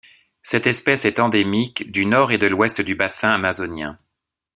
Cette espèce est endémique du nord et de l'ouest du bassin amazonien.